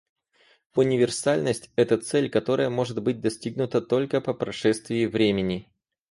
Универсальность — это цель, которая может быть достигнута только по прошествии времени.